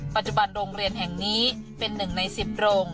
ปัจจุบันโรงเรียนแห่งนี้เป็นหนึ่งใน๑๐โรง